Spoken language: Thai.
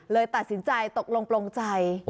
เลยตัดสินใจตกลงปลงใจ